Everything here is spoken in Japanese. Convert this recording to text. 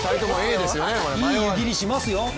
いい湯切りしますよ。